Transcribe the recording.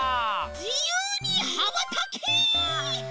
じゆうにはばたけ！